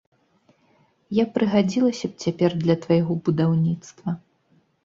Я прыгадзілася б цяпер для твайго будаўніцтва.